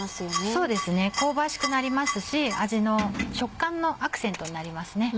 そうですね香ばしくなりますし食感のアクセントになりますね。